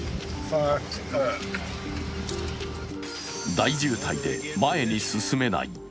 大渋滞で前に進めない。